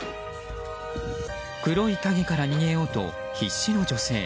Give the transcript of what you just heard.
黒い影から逃げようと必死の女性。